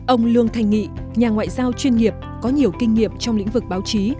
ông lương thanh nghị nhà ngoại giao chuyên nghiệp có nhiều kinh nghiệm trong lĩnh vực báo chí